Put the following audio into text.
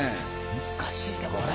難しいでこれ。